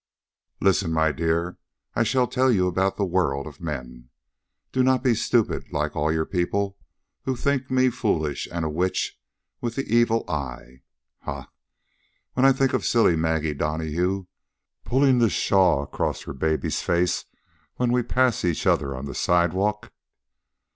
"Listen, my dear. I shall tell you about the world of men. Do not be stupid like all your people, who think me foolish and a witch with the evil eye. Ha! ha! When I think of silly Maggie Donahue pulling the shawl across her baby's face when we pass each other on the sidewalk!